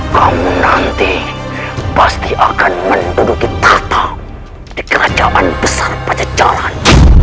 kamu nanti pasti akan menduduki tahta di kerajaan besar pancacalan